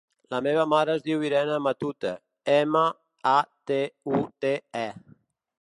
La meva mare es diu Irene Matute: ema, a, te, u, te, e.